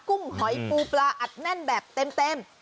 ุ้งหอยปูปลาอัดแน่นแบบเต็ม